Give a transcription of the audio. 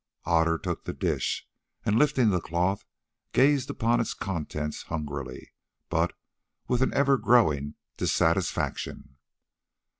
Otter took the dish, and, lifting the cloth, gazed upon its contents hungrily, but with an ever growing dissatisfaction.